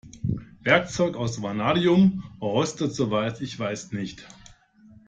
Werkzeug aus Vanadium rostet soweit ich weiß nicht.